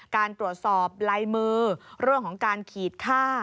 การตรวจสอบลายมือเรื่องของการขีดค่า